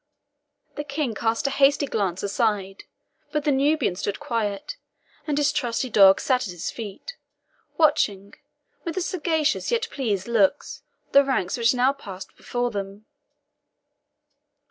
The King cast a hasty glance aside; but the Nubian stood quiet, and his trusty dog sat at his feet, watching, with a sagacious yet pleased look, the ranks which now passed before them.